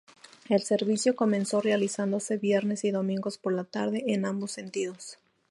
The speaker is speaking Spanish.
El servicio comenzó realizándose viernes y domingos por la tarde, en ambos sentidos.